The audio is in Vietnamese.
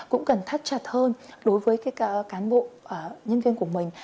cũng cần thắt chặt hơn đối với cán bộ nhân viên của mình